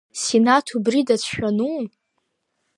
Синаҭ убри дацәшәану?